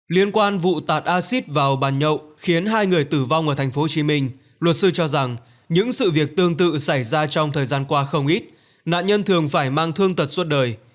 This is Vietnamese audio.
liên quan vụ tạt acid vào bàn nhậu khiến hai người tử vong ở tp hcm luật sư cho rằng những sự việc tương tự xảy ra trong thời gian qua không ít nạn nhân thường phải mang thương tật suốt đời